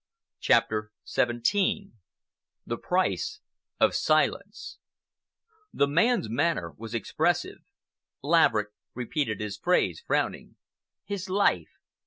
CHAPTER XVII THE PRICE OF SILENCE The man's manner was expressive. Laverick repeated his phrase, frowning. "His life!"